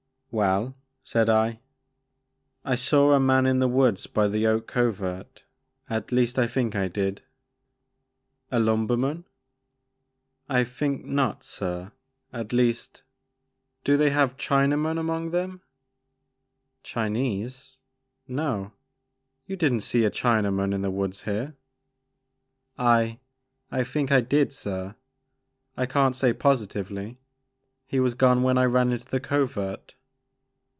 Well, saidI. I saw a man in the woods by the Oak Covert, —at least I think I did. A lumberman?'* I think not sir — at least, — do they have Chinamen among them ?'Chinese ? No . You did n' t see a Chinaman in the woods here ?"I — I think I did sir, — I can't say positively. He was gone when I ran into the covert."